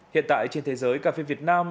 hiện tại trên thế giới cà phê việt nam